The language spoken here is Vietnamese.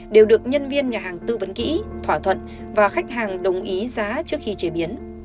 đều được nhân viên nhà hàng tư vấn kỹ thỏa thuận và khách hàng đồng ý giá trước khi chế biến